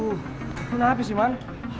lo kenapa sih man